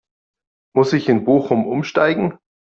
Muss ich in Bochum Umsteigen?